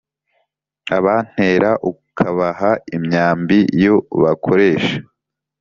abantera ukabaha imyambi yo bakoersha